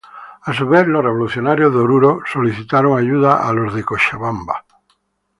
A su vez, los revolucionarios de Oruro solicitaron ayuda a los de Cochabamba.